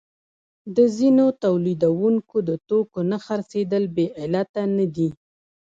د ځینو تولیدونکو د توکو نه خرڅېدل بې علته نه دي